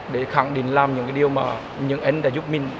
để khẳng định làm những cái điều mà những anh đã giúp mình